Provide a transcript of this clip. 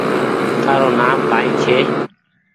تآرو نآم ڪائي ڇي